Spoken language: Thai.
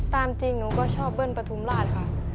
ตามจริงหนูก็ชอบเบิ้ลปฐุมราชค่ะ